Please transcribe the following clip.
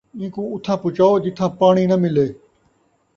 اینکوں اتھاں پڄاؤ، جتھاں پاݨی ناں ملے